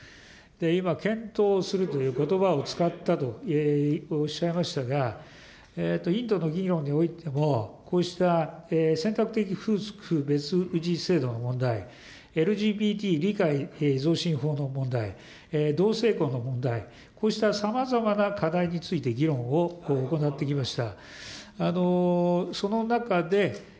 今、検討するということばを使ったとおっしゃいましたが、インドのとの、こうした選択的夫婦別氏制度の問題、ＬＧＢＴ理解増進法の問題、同性婚の問題、こうしたさまざまな課題について議論を行ってきました。